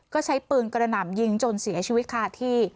ก็ใช้ปืนกระหน่ำยิงจนเสียชีวิตคาที่